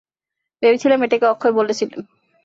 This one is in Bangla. ভেবেছিলাম, এটাকে অক্ষয় বলেছিলেন!